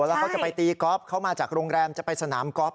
แล้วเขาจะไปตีก๊อฟเขามาจากโรงแรมจะไปสนามกอล์